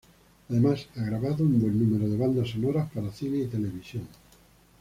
Además ha grabado un buen número de bandas sonoras para cine y televisión.